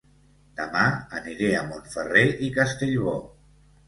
Dema aniré a Montferrer i Castellbò